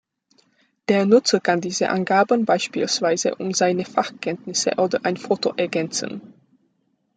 Der Nutzer kann diese Angaben beispielsweise um seine Fachkenntnisse oder ein Foto ergänzen.